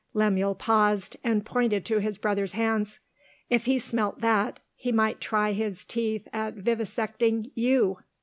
Lemuel paused, and pointed to his brother's hands. "If he smelt that, he might try his teeth at vivisecting You."